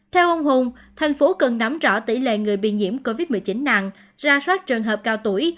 theo ông hùng thành phố cần nắm rõ tỷ lệ người bị nhiễm covid một mươi chín nặng ra soát trường hợp cao tuổi